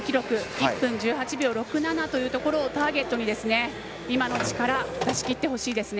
１分１８秒６７というところターゲットに今の力を出しきってほしいですね。